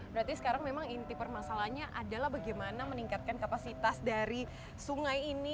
berarti sekarang memang inti permasalahannya adalah bagaimana meningkatkan kapasitas dari sungai ini